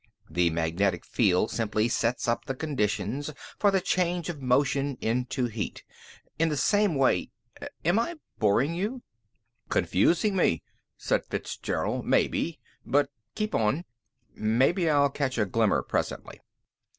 The magnetic field simply sets up the conditions for the change of motion into heat. In the same way ... am I boring you?" "Confusing me," said Fitzgerald, "maybe. But keep on. Maybe I'll catch a glimmer presently."